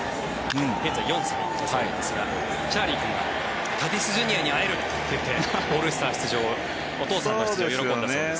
現在、４歳ですがチャーリー君がタティスＪｒ．に会えるといってオールスター出場をお父さんの出場を喜んだそうです。